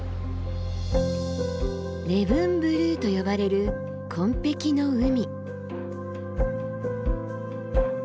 礼文ブルーと呼ばれる紺碧の海。